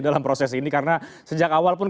dalam proses ini karena sejak awal pun